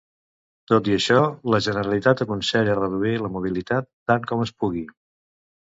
Tot i això, la Generalitat aconsella reduir la mobilitat tant com es pugui.